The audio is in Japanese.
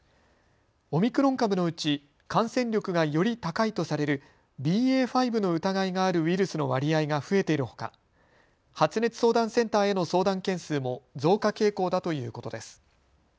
オミクロン株のうち感染力がより高いとされるＢＡ．５の疑いがあるウイルスの割合が増えているほか発熱相談センターへの相談件数も増加傾向だということです。